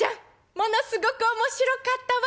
ものすごく面白かったわ。